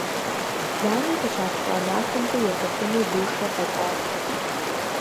Ланэ къыщалъхуа махуэмкӀэ ехъуэхъуну Лушэ къэкӀуат.